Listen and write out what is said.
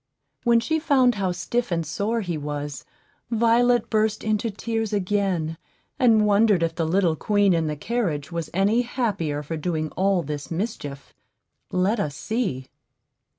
When she found how stiff and sore he was, Violet burst into tears again, and wondered if the little queen in the carriage was any happier for doing all this mischief. Let us see.